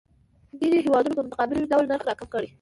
ډېری هیوادونه په متقابل ډول نرخ راکم کړي.